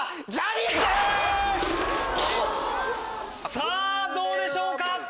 さぁどうでしょうか？